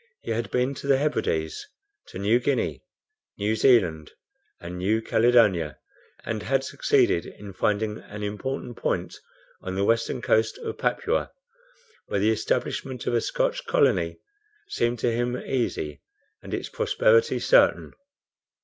He had been to the Hebrides, to New Guinea, New Zealand, and New Caledonia, and had succeeded in finding an important point on the western coast of Papua, where the establishment of a Scotch colony seemed to him easy, and its prosperity certain.